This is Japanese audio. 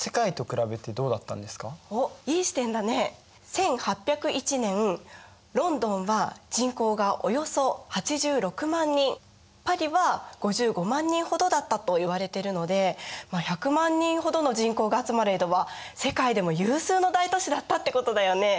１８０１年ロンドンは人口がおよそ８６万人パリは５５万人ほどだったといわれてるのでまあ１００万人ほどの人口が集まる江戸は世界でも有数の大都市だったってことだよね。